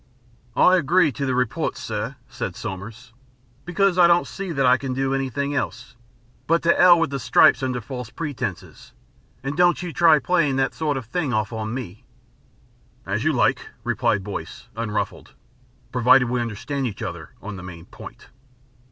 "I agree to the report, sir," said Somers, "because I don't see that I can do anything else. But to hell with the stripes under false pretences and don't you try playing that sort of thing off on me." "As you like," replied Boyce, unruffled. "Provided we understand each other on the main point."